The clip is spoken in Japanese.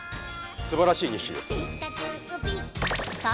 すばらしい２匹です。